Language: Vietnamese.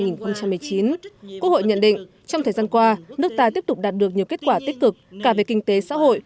quốc hội nhận định trong thời gian qua nước ta tiếp tục đạt được nhiều kết quả tích cực cả về kinh tế xã hội